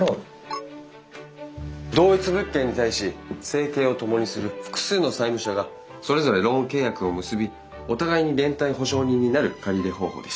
同一物件に対し生計を共にする複数の債務者がそれぞれローン契約を結びお互いに連帯保証人になる借り入れ方法です。